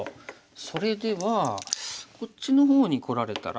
それではこっちの方にこられたら？